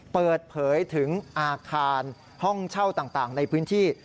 เปิดเผยถึงอาคารห้องเช่าต่างในพื้นที่